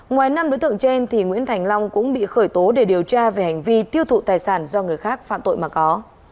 ngoài năm đối tượng trên nguyễn thành long cũng bị khởi tố để điều tra về hành vi tiêu thụ tài sản do người khác phạm tội mà có